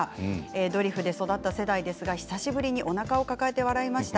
ドリフで育った世代ですが久しぶりに、おなかを抱えて笑いました。